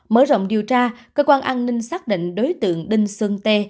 mở rộng điều tra cơ quan an ninh xác định đối tượng đinh xuân tê